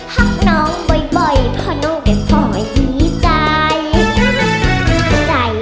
พักน้องบ่อยเพ้าน้องเป็นป่อยใจ